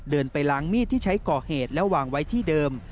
ไปล้างมีดที่ใช้ก่อเหตุและวางไว้ที่เดิม